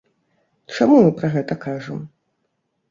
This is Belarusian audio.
Чаму мы пра гэта кажам?